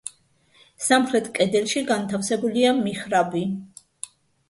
სამხრეთ კედელში განთავსებულია მიჰრაბი.